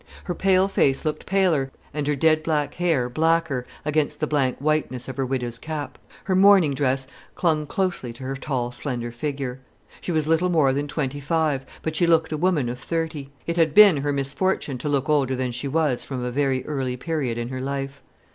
Her pale face looked paler, and her dead black hair blacker, against the blank whiteness of her widow's cap. Her mourning dress clung closely to her tall, slender figure. She was little more than twenty five, but she looked a woman of thirty. It had been her misfortune to look older than she was from a very early period in her life.